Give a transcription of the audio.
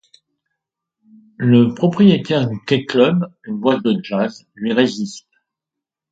Le propriétaire du Key Club, une boîte de jazz, lui résiste.